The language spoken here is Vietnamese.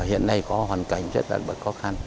hiện nay có hoàn cảnh rất là khó khăn